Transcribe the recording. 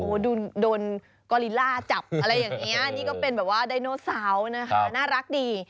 โอ้โหโดนกอลิล่าจับอะไรอย่างนี้นี่ก็เป็นแบบว่าไดโนเซานะคะน่ารักดี